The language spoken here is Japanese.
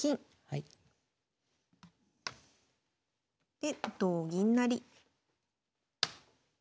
で同銀成。